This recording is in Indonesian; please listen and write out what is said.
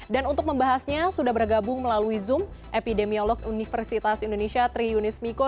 dan untuk membahasnya sudah bergabung melalui zoom epidemiolog universitas indonesia tri yunis miko